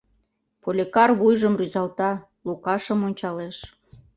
Поликар вуйжым рӱзалта, Лукашым ончалеш.